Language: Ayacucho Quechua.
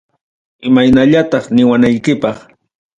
Imaynallataq niwanaykipaq.